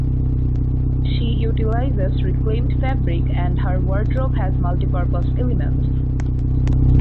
She utilizes reclaimed fabric and her wardrobe has multipurpose elements.